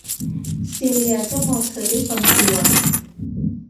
ซีเลียจ้องมองเธอด้วยความกลัว